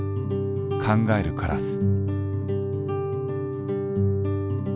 「考えるカラス」。